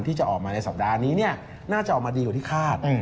ที่จะออกมาในสัปดาห์นี้น่าจะออกมาดีกว่าที่คาด